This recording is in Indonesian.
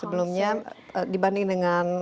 sebelumnya dibanding dengan